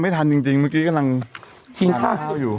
ทันจริงเมื่อกี้กำลังกินข้าวอยู่